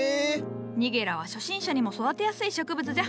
ニゲラは初心者にも育てやすい植物じゃ。